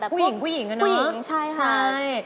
ผู้หญิงกันนะผู้หญิงใช่ค่ะใช่